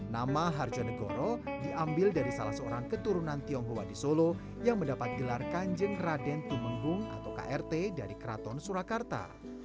nama harjonegoro diambil dari salah seorang keturunan tionghoa di solo yang mendapat gelar kanjeng raden tumenggung atau krt dari keraton surakarta